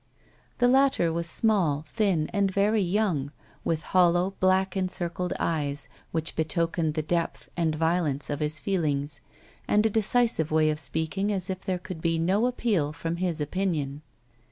The latter was small, thin, and very young, with hollow, black encircled eyes which betokened the depth and violence of his feelings, and a decisive way of speaking as if there could be no appeal from his opinion.